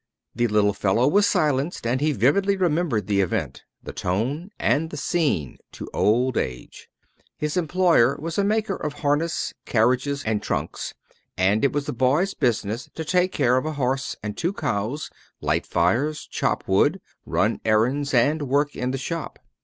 The little fellow was silenced, and he vividly remembered the event, the tone, and the scene, to old age. His employer was a maker of harness, carriages, and trunks, and it was the boy's business to take care of a horse and two cows, light fires, chop wood, run errands, and work in the shop.